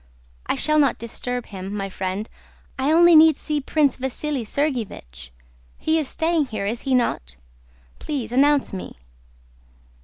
I shall not disturb him, my friend... I only need see Prince Vasíli Sergéevich: he is staying here, is he not? Please announce me."